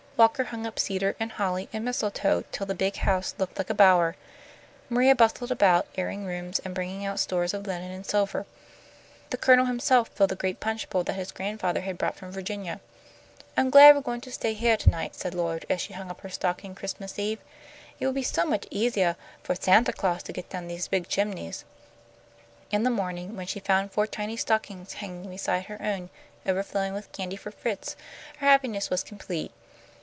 Walker hung up cedar and holly and mistletoe till the big house looked like a bower. Maria bustled about, airing rooms and bringing out stores of linen and silver. The Colonel himself filled the great punch bowl that his grandfather had brought from Virginia. "I'm glad we're goin' to stay heah to night," said Lloyd, as she hung up her stocking Christmas Eve. "It will be so much easiah fo' Santa Claus to get down these big chimneys." In the morning when she found four tiny stockings hanging beside her own, overflowing with candy for Fritz, her happiness was complete.